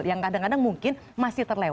yang kadang kadang mungkin masih terlalu lama